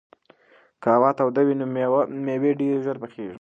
که هوا توده وي نو مېوې ډېرې ژر پخېږي.